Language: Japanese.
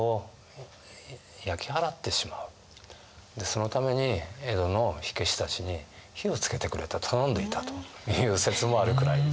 そのために江戸の火消したちに火をつけてくれと頼んでいたという説もあるくらい。